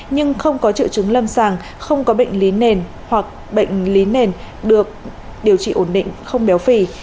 nhưng không có triệu chứng lâm sàng không có bệnh lý nền hoặc bệnh lý nền được điều trị ổn định không béo phì